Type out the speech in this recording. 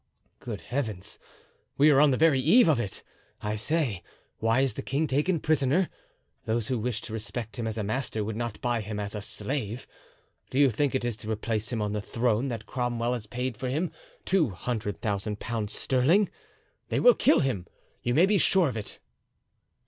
"Good heavens! we are on the very eve of it. I say, why is the king taken prisoner? Those who wish to respect him as a master would not buy him as a slave. Do you think it is to replace him on the throne that Cromwell has paid for him two hundred thousand pounds sterling? They will kill him, you may be sure of it."